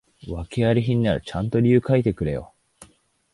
訳あり品ならちゃんと理由書いてくれよ